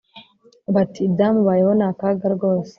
bati ibyamubayeho ni akaga rwose